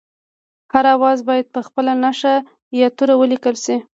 هر آواز باید په خپله نښه یا توري ولیکل شي